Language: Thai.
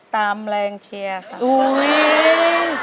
ตามแรงเชียร์ค่ะ